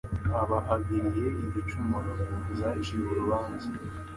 Aba ahagiriye igicumuro. Zaciwe urubanza